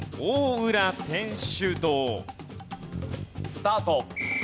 スタート。